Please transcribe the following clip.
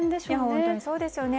本当に、そうですよね。